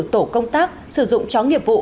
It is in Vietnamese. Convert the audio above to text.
tổ công tác sử dụng chó nghiệp vụ